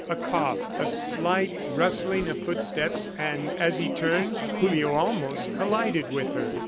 A cough, a slight rustling of footsteps, and as he turned, Julio almost collided with her.